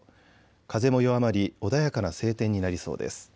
風も弱まり穏やかな晴天になりそうです。